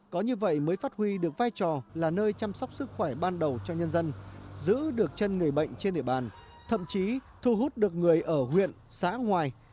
có như vậy mới phát huy được vai trò là nơi chăm sóc sức khỏe ban đầu cho nhân dân giữ được chân người bệnh trên địa bàn thậm chí thu hút được người ở huyện xã ngoài